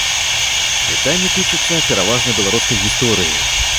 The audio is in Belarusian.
Пытанні тычацца пераважна беларускай гісторыі.